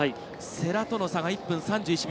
世羅との差が、１分３１秒。